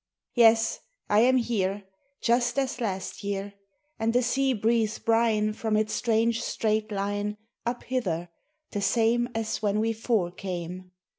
Yes, I am here Just as last year, And the sea breathes brine From its strange straight line Up hither, the same As when we four came.